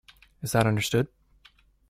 Is that understood?